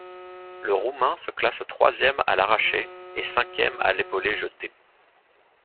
Le Roumain se classe troisième à l'arraché et cinquième à l'épaulé-jeté.